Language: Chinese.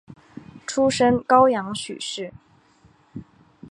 出身高阳许氏。